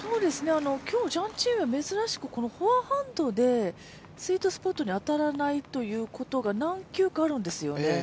今日、ジャン・チンウェンは珍しくフォアハンドでスイートスポットに当たらないことが何球かあるんですよね。